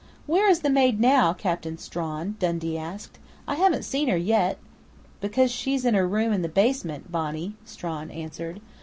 "Where is the maid now, Captain Strawn?" Dundee asked. "I haven't seen her yet " "Because she's in her room in the basement, Bonnie," Strawn answered.